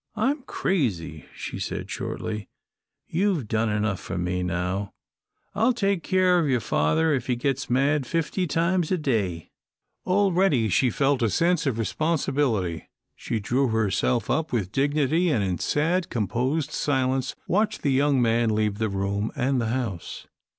"I'm crazy," she said, shortly; "you've done enough for me now. I'll take care of your father if he gets mad fifty times a day." Already she felt a sense of responsibility. She drew herself up with dignity, and in sad, composed silence watched the young man leave the room and the house.